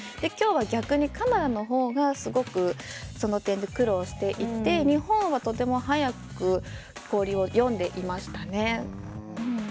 きょうは逆にカナダのほうがすごく、その点で苦労していて日本はとても早く氷を読んでいましたね。